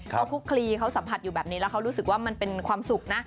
เขาคุกคลีเขาสัมผัสอยู่แบบนี้แล้วเขารู้สึกว่ามันเป็นความสุขนะ